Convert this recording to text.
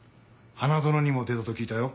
花園にも出たと聞いたよ。